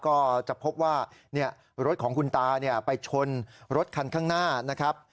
ก็จะพบว่ารถของคุณตาไปชนรถคันข้างหน้านะครับ